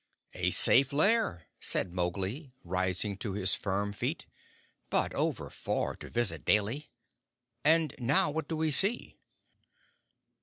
"A safe lair," said Mowgli, rising to his firm feet, "but over far to visit daily. And now what do we see?"